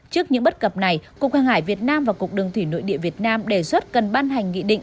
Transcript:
trước những bất cập này cục hàng hải việt nam và cục đường thủy nội địa việt nam đề xuất cần ban hành nghị định